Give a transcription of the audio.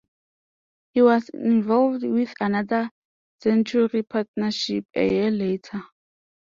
He was involved with another century partnership a year later.